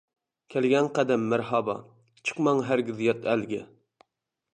كەلگەن قەدەم مەرھابا، چىقماڭ ھەرگىز يات ئەلگە.